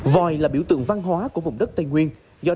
vòi là biểu tượng văn hóa của vùng đất tây nguyên